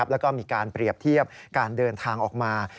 แล้วก็มีการเปรียบเทียบการเดินทางออกมา